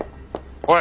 おい！